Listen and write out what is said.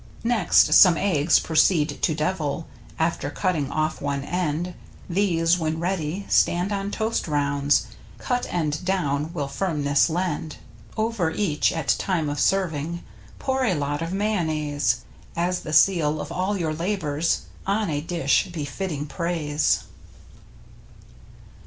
Next, some eggs proceed to devil, After cutting off one end. These, when ready, stand on toast rounds (Cut end down will firmness lend). Over each, at time of serving, Pour a lot of mayonnaise. As the seal of all your labors On a dish befitting praise.